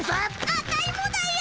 アタイもだよ。